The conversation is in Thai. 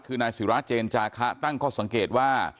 คือนายศิราเจนจาคะตั้งข้อสังเกตว่า